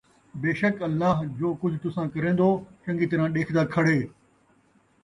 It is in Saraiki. بیشک اللہ جو کُجھ تُساں کریندو چنگی طرح ݙیکھدا کھڑے ۔